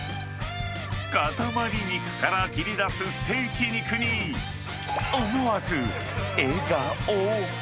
塊肉から切り出すステーキ肉に、思わず笑顔。